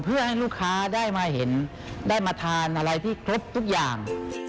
เพื่อให้ลูกค้าได้มาเห็นได้มาทานอะไรที่ครบทุกอย่าง